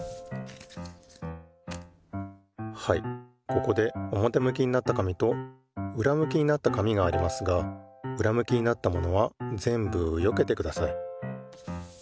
ここでおもてむきになった紙とうらむきになった紙がありますがうらむきになったものはぜんぶよけてください。